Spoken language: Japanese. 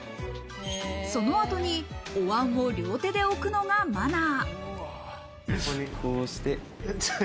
その後に、お椀を両手で置くのがマナー。